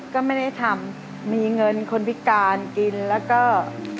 ก็ไม่ได้ทำมีเงินคนพิการกินแล้วก็เงินจากน้องเนี่ยค่ะ